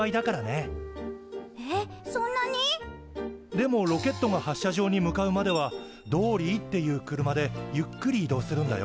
でもロケットが発射場に向かうまではドーリーっていう車でゆっくり移動するんだよ。